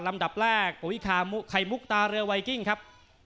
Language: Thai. ลำดับแรกไข่มุกตาเรือไวกิ้งครับ